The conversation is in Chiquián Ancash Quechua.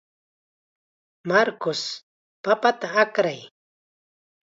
Marcos, papata akray.